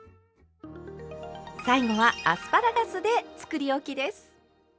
最後はアスパラガスでつくりおきです。